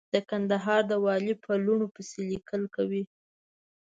د کندهار د والي په لوڼو پسې ليکل کوي.